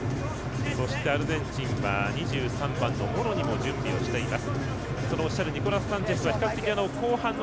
アルゼンチンは、２３番のモロニも準備しています。